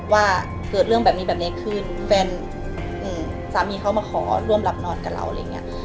ว่าเกิดเรื่องแบบนี้แบบนี้ขึ้นแฟนสามีเขามาขอร่วมรับนอนกับเราอะไรอย่างนี้